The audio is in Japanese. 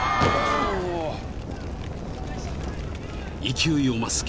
［勢いを増す煙］